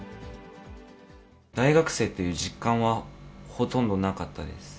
大学生という実感は、ほとんどなかったです。